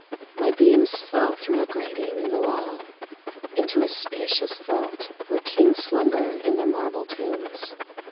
My beams fell through a grating in the wall into a spacious vault where kings slumber in their marble tombs.